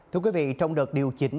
thưa quý vị trong đợt điều chỉnh